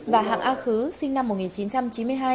và hạng a khứ sinh năm một nghìn chín trăm chín mươi hai